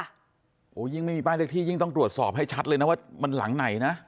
โอ้โหยิ่งไม่มีป้ายเลขที่ยิ่งต้องตรวจสอบให้ชัดเลยนะว่ามันหลังไหนนะ